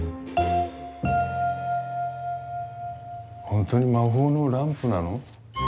本当に魔法のランプなの？